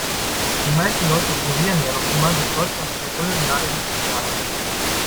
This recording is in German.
Die meisten Leute ignorieren ja noch immer, dass Deutschland eine koloniale Geschichte hat.